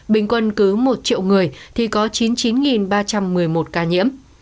bình quân cứ một triệu người thì có chín mươi chín ba trăm một mươi một ca nhiễm